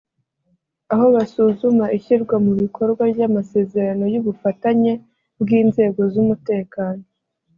aho basuzuma ishyirwamubikorwa ry’amasezerano y’ubufatanye bw’inzego z’umutekano